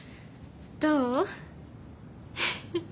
どう？